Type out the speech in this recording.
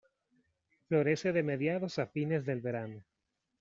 Florece de mediados a fines del verano.